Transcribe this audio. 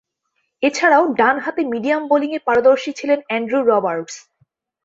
এছাড়াও, ডানহাতে মিডিয়াম বোলিংয়ে পারদর্শী ছিলেন অ্যান্ড্রু রবার্টস।